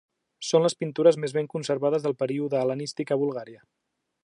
Són les pintures més ben conservades del període hel·lenístic a Bulgària.